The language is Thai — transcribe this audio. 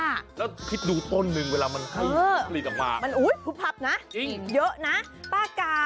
แล้วพริกดูต้นหนึ่งเวลามันคือผลิตออกมามันอุ้ยผุบพับนะจริงเยอะนะ